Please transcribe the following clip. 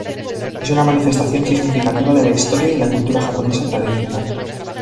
Es una manifestación significativa de la historia y la cultura japonesa tradicional.